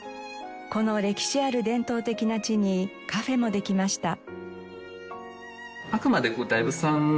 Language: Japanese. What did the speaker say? この歴史ある伝統的な地にカフェもできました。